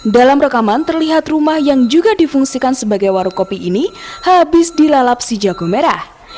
dalam rekaman terlihat rumah yang juga difungsikan sebagai warung kopi ini habis dilalap si jago merah